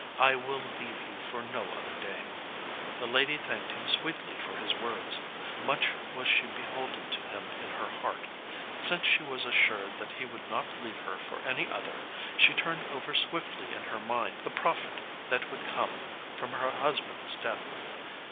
I will leave you for no other dame." The lady thanked him sweetly for his words. Much was she beholden to him in her heart. Since she was assured that he would not leave her for any other, she turned over swiftly in her mind the profit that would come from her husband's death.